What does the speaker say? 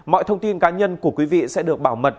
mọi thông tin cá nhân của quý vị sẽ được bảo mật